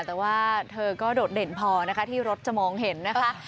เพราะว่าเธอก็โดดเด่นพอที่รถจะมองเห็นนะคะ